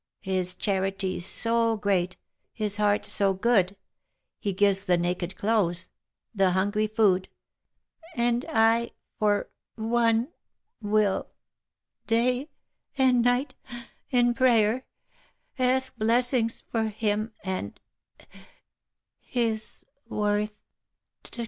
His charity's so great, his heart so good, He gives the naked clothes ; the hungry food ; And I for — one — will, — day — and night — in prayer, Ask blessings — for — him— and — his— worth declare."